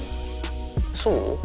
そう？